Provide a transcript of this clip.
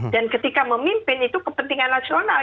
dan ketika memimpin itu kepentingan nasional